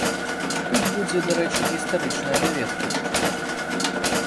Тут будзе дарэчы гістарычная даведка.